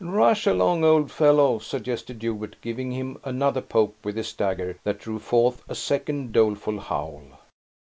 "Rush along, old fellow," suggested Hubert, giving him another poke with his dagger, that drew forth a second doleful howl.